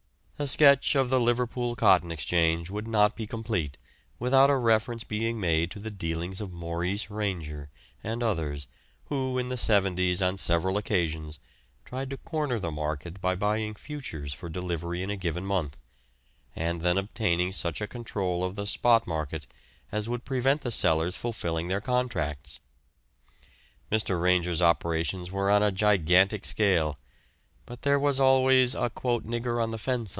A sketch of the Liverpool Cotton Exchange would not be complete without a reference being made to the dealings of Maurice Ranger, and others, who in the 'seventies on several occasions tried to corner the market by buying "futures" for delivery in a given month, and then obtaining such a control of the spot market as would prevent the sellers fulfilling their contracts. Mr. Ranger's operations were on a gigantic scale, but there was always a "nigger on the fence."